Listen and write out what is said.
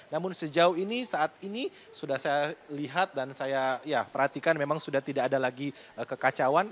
namun sejauh ini saat ini sudah saya lihat dan saya perhatikan memang sudah tidak ada lagi kekacauan